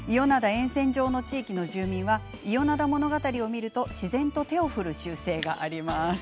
沿線上の地域の住民は伊予灘ものがたりを見ると自然と手を振る習性があります。